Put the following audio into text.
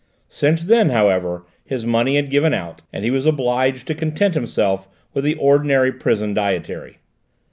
Since then, however, his money had given out, and he was obliged to content himself with the ordinary prison dietary.